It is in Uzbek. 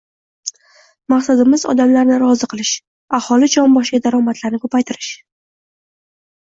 Maqsadimiz – odamlarni rozi qilish, aholi jon boshiga daromadni ko‘paytirish